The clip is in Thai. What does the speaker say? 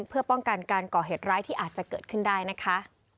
เพื่อป้องกันการก่อเหตุร้ายที่อาจจะเกิดขึ้นได้นะคะ